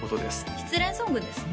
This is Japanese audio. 失恋ソングですね